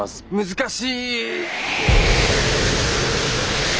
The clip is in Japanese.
難しい。